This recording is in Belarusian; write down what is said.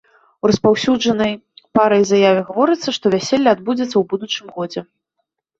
У распаўсюджанай парай заяве гаворыцца, што вяселле адбудзецца ў будучым годзе.